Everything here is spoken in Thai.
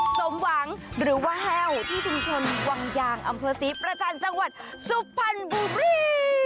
สมหวังหรือว่าแห้วที่ชุมชนวังยางอำเภอศรีประจันทร์จังหวัดสุพรรณบุรี